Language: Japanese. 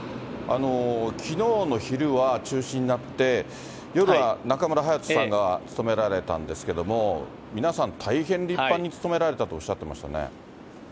きのうの昼は、中止になって、夜は中村隼人さんが務められたんですけれども、皆さん、大変立派に務められたとおっしゃってましたね。